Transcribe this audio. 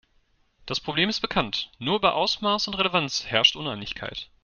Das Problem ist bekannt, nur über Ausmaß und Relevanz herrscht Uneinigkeit.